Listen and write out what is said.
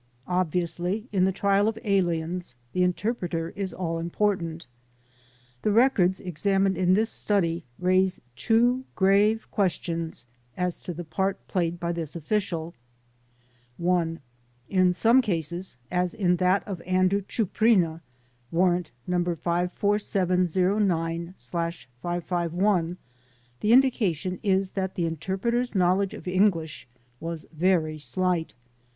Obviously, in the trial of aliens the interpreter is all important. The records examined in this study raise two grave questions as to the part played by this official. 1. In some cases, as in that of Andrew Chuprina (Warrant No. 54709/551), the indication is that the interpreter's knowledge of English was very slight.